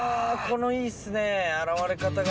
いいっすね現れ方が。